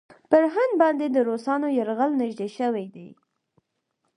پر هند باندې د روسانو یرغل نېږدې شوی دی.